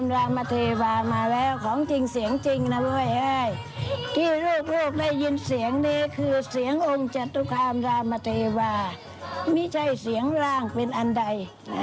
ได้ยินเสียงนี้คือเสียงองค์จัตุครามรามาเทวาไม่ใช่เสียงร่างเป็นอันใด